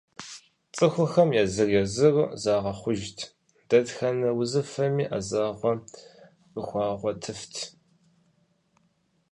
Цӏыхухэм езыр-езыру загъэхъужт, дэтхэнэ узыфэми ӏэзэгъуэ къыхуагъуэтыфт.